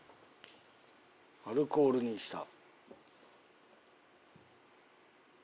「アルコール」にした。